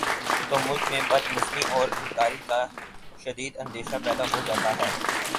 تو ملک میں بد نظمی اور انارکی کا شدید اندیشہ پیدا ہو جاتا ہے